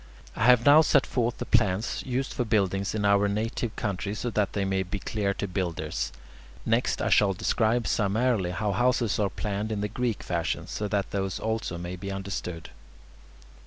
I have now set forth the plans used for buildings in our native country so that they may be clear to builders. Next, I shall describe summarily how houses are planned in the Greek fashion, so that these also may be understood.